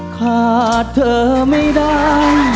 ขาดเธอไม่ได้